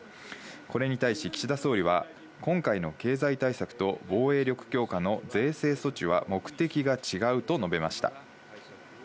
これに対し、岸田総理は今回の経済対策と防衛力強化の税制措置は目的が違うと述べました。